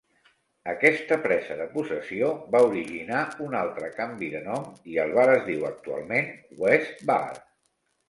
Aquesta presa de possessió va originar un altre canvi de nom i el bar es diu actualment "West Bar".